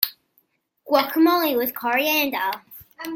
Guacamole with coriander.